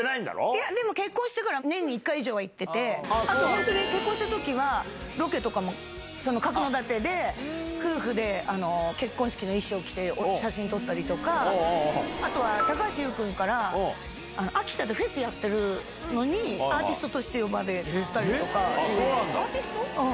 いやでも結婚してから年に１回以上行ってて、本当に結婚したときは、ロケとかも、角館で夫婦で結婚式の衣装を着て、写真撮ったりとか、あとは高橋優君から、秋田でフェスやってるのに、アーティストとして呼ばれたりとか、そういうの。